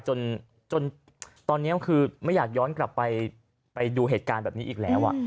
จนตอนนี้คือไม่อยากย้อนกลับไปไปดูเหตุการณ์แบบนี้อีกแล้ว